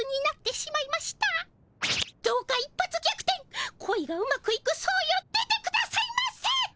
どうか「一発逆転」恋がうまくいく相よ出てくださいませ！